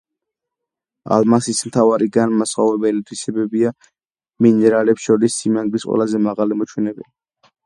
ალმასის მთავარი განმასხვავებელი თვისებებია მინერალებს შორის სიმაგრის ყველაზე მაღალი მაჩვენებელი,